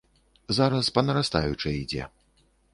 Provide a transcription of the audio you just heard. Зараз па нарастаючай ідзе.